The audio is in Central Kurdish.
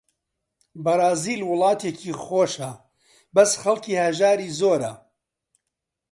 بەرازیل وڵاتێکی خۆشە، بەس خەڵکی هەژاری زۆرە